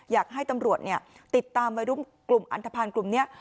อยากให้ตำรวจติดตามวัยรุ่นกลุ่มอันทภัณฑ์กลุ่มนี้